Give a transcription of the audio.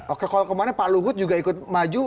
oke kalau kemarin pak luhut juga ikut maju